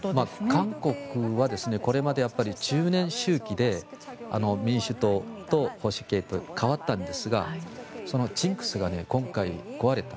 韓国はこれまで１０年周期で民主党と保守系と代わったんですがジンクスが今回壊れた。